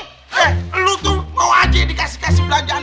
eh lo tuh mau aja dikasih kasih belanjaan